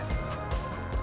kalau lo gak percaya lo paham